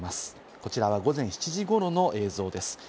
こちらは午前７時ごろの映像です。